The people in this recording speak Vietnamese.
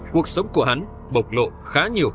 cuộc sống của hắn bộc lộ khá nhiều